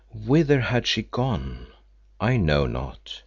Whither had she gone? I know not.